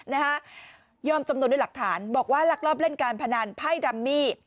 นะฮะยอมจำนวนด้วยหลักฐานบอกว่าลักลอบเล่นการพนันไพ่ดัมมี่